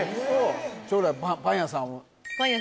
将来はパン屋さんを？